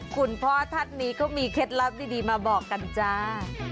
คุณพ่อท่านนี้ก็มีเคล็ดลับดีมาบอกกันจ้า